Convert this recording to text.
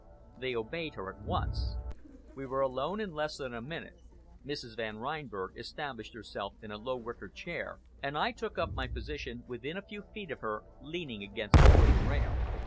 They obeyed her at once. We were alone in less than a minute. Mrs. Van Reinberg established herself in a low wicker chair, and I took up my position within a few feet of her, leaning against the wooden rail.